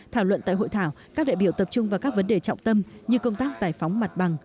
thảo luận tại hội thảo các đại biểu tập trung vào các vấn đề trọng tâm như công tác giải phóng mặt bằng